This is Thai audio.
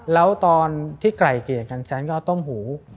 แล้วตอนที่ไกล่เกลี่ยกันแซนก็เอาต้มหู